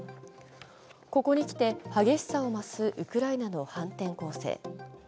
ここに来て激しさを増すウクライナの反転攻勢。